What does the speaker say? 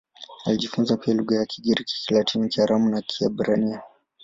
Alijifunza pia lugha za Kigiriki, Kilatini, Kiaramu na Kiebrania.